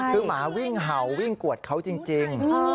คือหมาวิ่งเห่าวิ่งกวดเขาจริง